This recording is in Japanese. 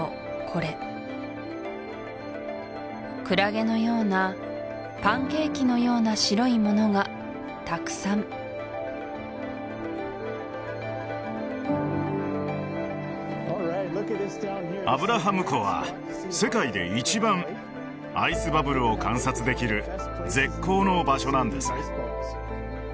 これクラゲのようなパンケーキのような白いものがたくさんアブラハム湖は世界で一番アイスバブルを観察できる絶好の場所なんです